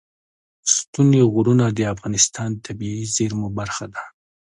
ستوني غرونه د افغانستان د طبیعي زیرمو برخه ده.